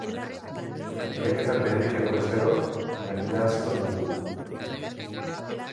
Bilaketan berririk egonez gero, jakinaraziko dugu.